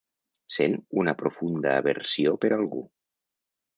Sent una profunda aversió per algú.